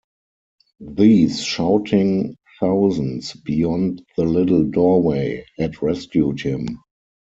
These shouting thousands beyond the little doorway had rescued him.